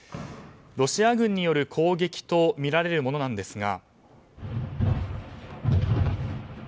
ロシア軍による攻撃とみられるものなんですが。